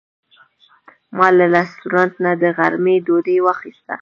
ما له رستورانت نه د غرمې ډوډۍ واخیسته.